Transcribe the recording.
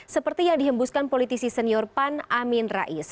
seperti yang dihembuskan politisi senior pan amin rais